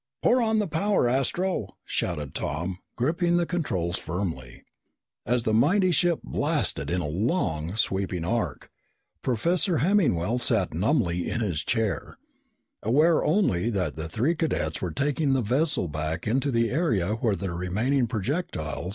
"Pour on the power, Astro!" shouted Tom, gripping the controls firmly. As the mighty ship blasted in a long, sweeping arc, Professor Hemmingwell sat numbly in his chair, aware only that the three cadets were taking the vessel back into the area where the remaining projectile